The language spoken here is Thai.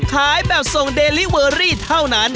ขายแบบส่งเดลิเวอรี่เท่านั้น